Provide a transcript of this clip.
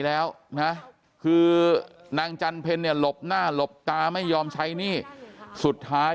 แล้วนะคือนางจันเพลเนี่ยหลบหน้าหลบตาไม่ยอมใช้หนี้สุดท้าย